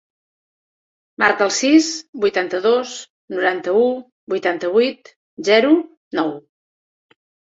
Marca el sis, vuitanta-dos, noranta-u, vuitanta-vuit, zero, nou.